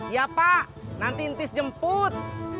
ya pak nanti intis jemput